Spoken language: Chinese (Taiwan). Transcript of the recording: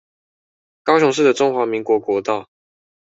高雄市的中華民國國道